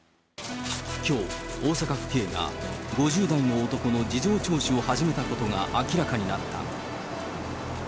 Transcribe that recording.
きょう、大阪府警が５０代の男の事情聴取を始めたことが明らかになった。